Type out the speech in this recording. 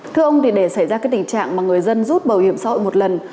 thưa ông thì để xảy ra cái tình trạng mà người dân rút bảo hiểm xã hội một lần